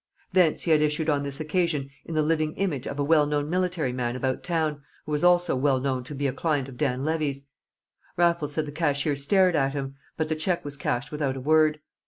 Thence he had issued on this occasion in the living image of a well known military man about town who was also well known to be a client of Dan Levy's. Raffles said the cashier stared at him, but the cheque was cashed without a word.